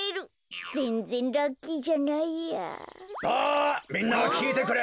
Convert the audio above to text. あみんなきいてくれ。